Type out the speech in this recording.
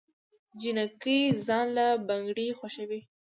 جينکۍ ځان له بنګړي خوښوي